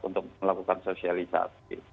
untuk melakukan sosialisasi